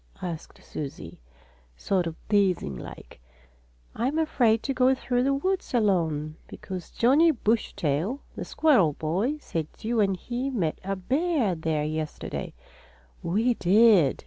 asked Susie, sort of teasing like. "I'm afraid to go through the woods alone, because Johnnie Bushytail, the squirrel boy, said you and he met a bear there yesterday." "We did!"